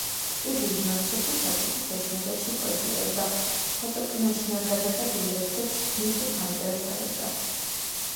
იგი ჟურნალისათვის საკუთარ საძინებელში პოზიორობდა, ფოტო კი მაშინაა გადაღებული, როდესაც ნიკი ფანჯარას აღებდა.